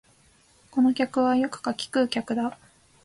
この客はよく柿食う客だ